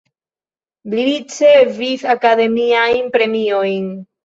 Li ricevis akademiajn premiojn.